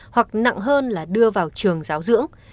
hoặc nặng hơn là đưa vào trường giáo dưỡng